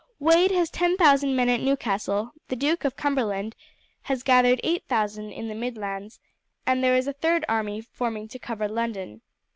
Wade has ten thousand men at Newcastle, the Duke of Cumberland has gathered eight thousand in the Midlands, and there is a third army forming to cover London.